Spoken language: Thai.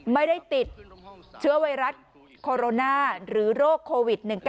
ไม่ได้ติดเชื้อไวรัสโคโรนาหรือโรคโควิด๑๙